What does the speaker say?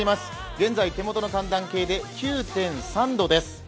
現在、手元の寒暖計で９．３度です。